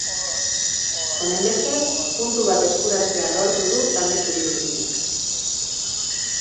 Honenbestez, puntu bat eskuratzea lortu du talde txuri-urdnak.